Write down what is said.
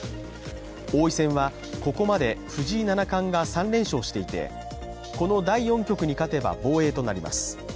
王位戦はここまで藤井七冠が３連勝していて、この第４局に勝てば防衛となります。